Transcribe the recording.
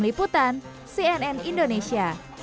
liputan cnn indonesia